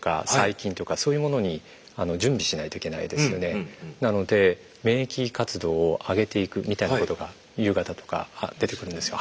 例えばなので免疫活動を上げていくみたいなことが夕方とか出てくるんですよ。